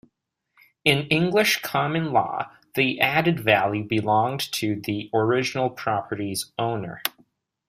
In English common law, the added value belonged to the original property's owner.